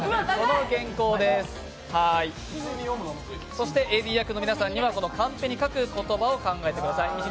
そしてＡＤ役の皆さんにはここに書く言葉を考えてください。